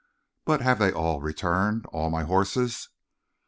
But have they all returned, all my horses?"